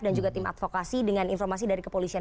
dan juga tim advokasi dengan informasi dari kepolisian